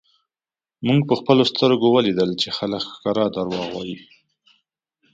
مونږ په خپلو سترږو ولیدل چی خلک ښکاره درواغ وایی